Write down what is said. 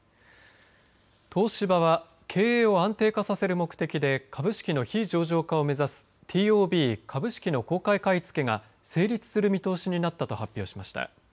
東芝は経営を安定化させる目的で株式の非上場化を目指すＴＯＢ、株式の公開買い付けが成立する見通しになったと発表しました。